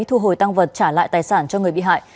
thu hồi tăng vật trả lại tài sản cho người bị hại